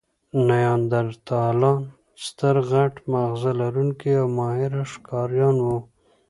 نیاندرتالان ستر، غټ ماغزه لرونکي او ماهره ښکاریان وو.